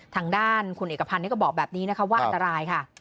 ทางด้านคุณเอกพันธ์ก็บอกแบบนี้นะคะว่าอันตรายค่ะ